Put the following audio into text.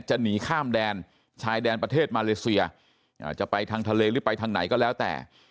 จะหนีข้ามแดนชายแดนประเทศมาเลเซียจะไปทางทะเลหรือไปทางไหนก็แล้วแต่